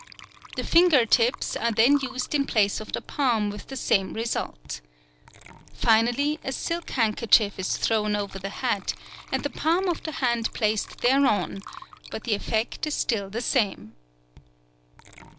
The finger tips are then used in place of the palm with the same result. Finally, a silk handkerchief is thrown over the hat, and the palm of the hand placed thereon, but the effect is still the same.